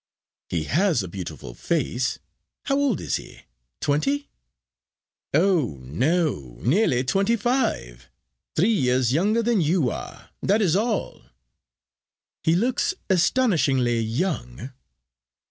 "He has a beautiful face. How old is he? Twenty?" "Oh no, nearly twenty five. Three years younger than you are. That is all." "He looks astonishingly young."